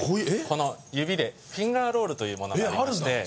この指でフィンガーロールというものがありまして。